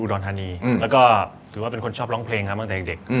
อุดอลธานีแล้วก็ถือว่าเป็นคนชอบร้องเพลงเมื่อเด็ก